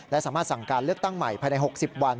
และสามารถสั่งการเลือกตั้งใหม่ภายใน๖๐วัน